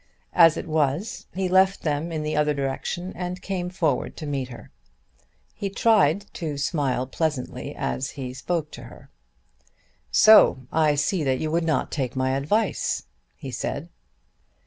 As it was he left them in the other direction and came forward to meet her. He tried to smile pleasantly as he spoke to her. "So I see that you would not take my advice," he said.